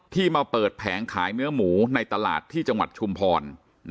มาเปิดแผงขายเนื้อหมูในตลาดที่จังหวัดชุมพร